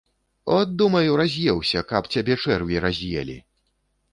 От, думаю, раз'еўся, каб цябе чэрві раз'елі!